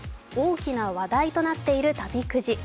大きな話題となっている旅くじ。